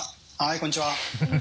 こんにちは。